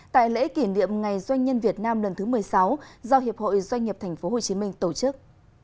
tại lễ kỷ niệm ngày doanh nhân việt nam lần thứ một mươi sáu do hiệp hội doanh nghiệp tp hcm tổ chức